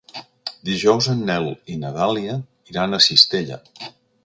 Dijous en Nel i na Dàlia iran a Cistella.